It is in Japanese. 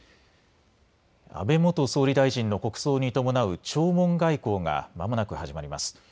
安倍元総理大臣の国葬に伴う弔問外交がまもなく始まります。